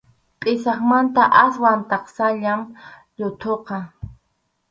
Pʼisaqmanta aswan taksallam yuthuqa.